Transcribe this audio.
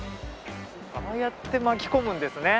ああやって巻き込むんですね。